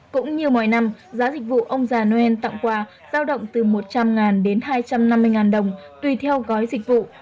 cũng như mọi năm giá dịch vụ ông già noel tặng quà giao động từ một trăm linh đến hai trăm năm mươi đồng tùy theo gói dịch vụ